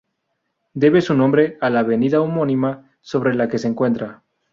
Debe su nombre a la avenida homónima sobre la que se encuentra.